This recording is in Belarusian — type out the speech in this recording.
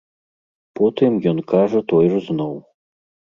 Потым ён кажа тое ж зноў.